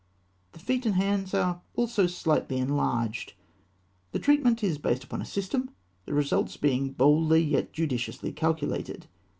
The feet and hands are also slightly enlarged. This treatment is based upon a system, the results being boldly and yet judiciously calculated.